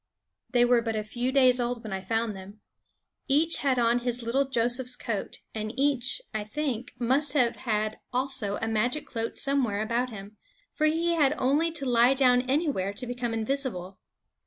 They were but a few days old when I found them. Each had on his little Joseph's coat; and each, I think, must have had also a magic cloak somewhere about him; for he had only to lie down anywhere to become invisible.